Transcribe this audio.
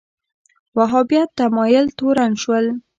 وهابیت تمایل تورن شول